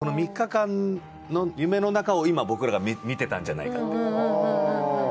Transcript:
この３日間の夢の中を今僕らが見てたんじゃないかってとか。